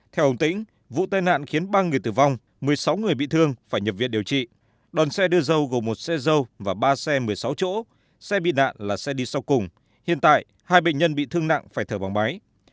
theo ông tĩnh vụ tai nạn khiến ba người tử vong một mươi sáu người bị thương phải nhập viện điều trị đòn xe đưa dâu gồm một xe dâu và ba xe một mươi sáu chỗ xe bị nạn là xe đi sau cùng hiện tại hai bệnh nhân bị thương nặng phải thở bằng máy